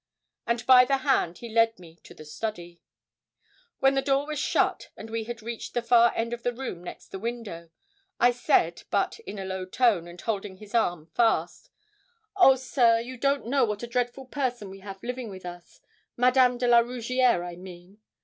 And by the hand he led me to the study. When the door was shut, and we had reached the far end of the room next the window, I said, but in a low tone, and holding his arm fast 'Oh, sir, you don't know what a dreadful person we have living with us Madame de la Rougierre, I mean.